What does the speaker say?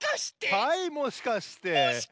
はいもしかして！